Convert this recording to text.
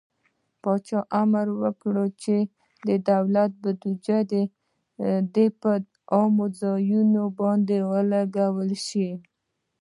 پاچا امر وکړ چې د دولت بودجې د په عامه ځايونو باندې ولګول شي.